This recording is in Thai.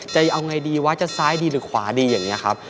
จะเอาไงดีวะจะซ้ายดีหรือขวาดีอย่างนี้ครับ